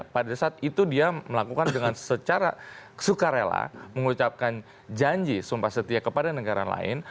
pada saat itu dia melakukan dengan secara sukarela mengucapkan janji sumpah setia kepada negara lain